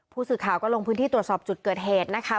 ผู้สื่อข่าวก็ลงพื้นที่ตรวจสอบจุดเกิดเหตุนะคะ